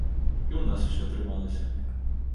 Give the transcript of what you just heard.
І ў нас усё атрымалася!